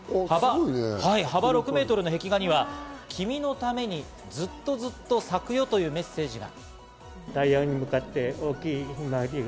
幅６メートルの壁画には「君のためにずうっとずっと咲くよ」というメッセージが。